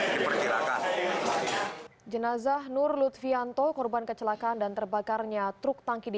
diperkirakan jenazah nur lutfianto korban kecelakaan dan terbakarnya truk tangki di